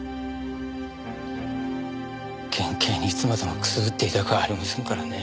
県警にいつまでもくすぶっていたくはありませんからね。